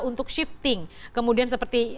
untuk shifting kemudian seperti